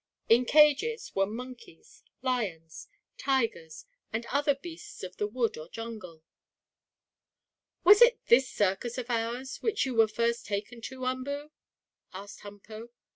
In cages were monkeys, lions, tigers and other beasts of the wood or jungle. "Was it this circus of ours which you were first taken to, Umboo?" asked Humpo.